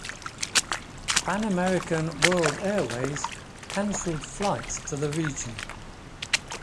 Pan American World Airways canceled flights to the region.